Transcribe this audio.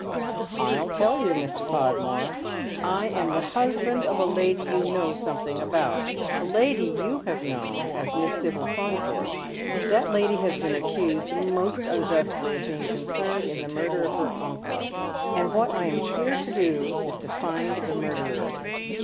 " I'll tell you, Mr. Podmore. I am the husband of a lady you know something about ; a lady you have known as Miss Sibyl Faunthorpe. Tliat lady has been accused most unjustly of being concerned in the murder of her uncle, and what I am here to do is to find the murderer."